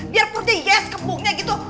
biar purde yes kebunya gitu